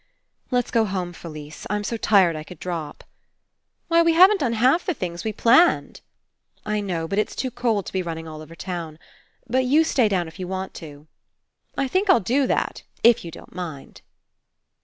"Let's go home, Felise. I'm so tired I could drop." "Why, we haven't done half the things we planned." "I know, but it's too cold to be running all over town. But you stay down if you want to. "I think I'll do that, if you don't mind."